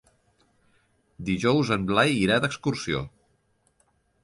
Dijous en Blai irà d'excursió.